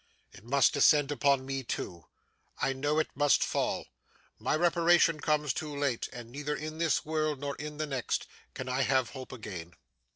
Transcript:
It must descend upon me too. I know it must fall. My reparation comes too late; and, neither in this world nor in the next, can I have hope again!